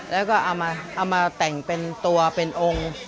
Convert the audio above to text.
แล้วก็เอามาแต่งเป็นตัวเป็นองค์